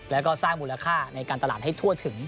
แล้วก็สร้างมูลค่าในการตลาดให้ทั่วถึง